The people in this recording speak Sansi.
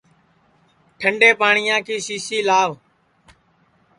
ٹھنڈے پاٹؔیا کی سی سی لاو